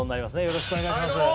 よろしくお願いします